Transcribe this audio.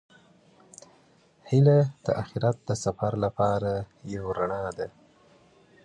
هیله د اخیرت د سفر لپاره یو رڼا ده.